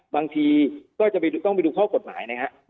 บางทีก็จะต้องไปดูข้อกฎหมายนะครับ